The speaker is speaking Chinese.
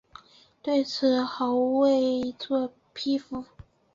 对此毛未作批复。